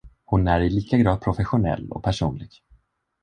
Hon är i lika grad professionell och personlig.